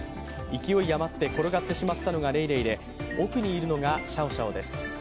勢い余って転がってしまったのがレイレイで奥にいるのがシャオシャオです。